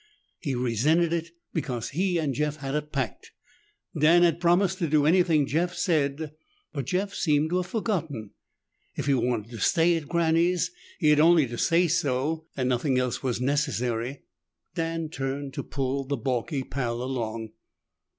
He resented it because he and Jeff had a pact Dan had promised to do anything Jeff said but Jeff seemed to have forgotten. If he wanted to stay at Granny's, he had only to say so and nothing else was necessary. Dan turned to pull the balky Pal along.